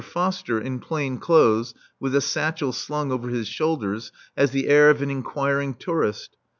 Foster in plain clothes, with a satchel slung over his shoulders, has the air of an inquiring tourist.